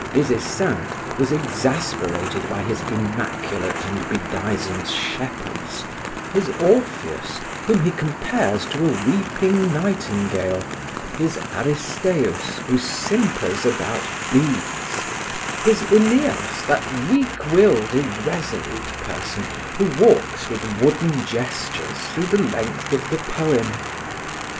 Des Esseintes was exasperated by his immaculate and bedizened shepherds, his Orpheus whom he compares to a weeping nightingale, his Aristaeus who simpers about bees, his Aeneas, that weak willed, irresolute person who walks with wooden gestures through the length of the poem.